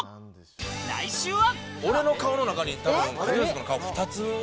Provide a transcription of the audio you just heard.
来週は。